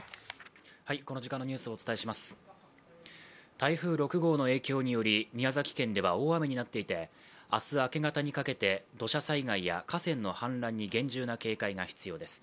台風６号の影響により宮崎県では大雨になっていて明日明け方にかけて土砂災害や河川の氾濫に厳重な警戒が必要です。